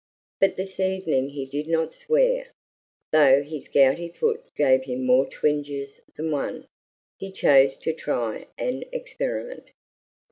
But this evening he did not swear, though his gouty foot gave him more twinges than one. He chose to try an experiment.